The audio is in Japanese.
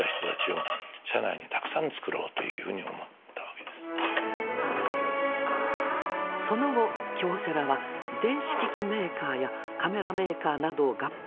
つまりその後京セラは電子機器メーカーやカメラメーカーなどを合併。